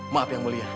maaf yang mulia